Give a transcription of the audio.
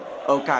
ở cả cương trình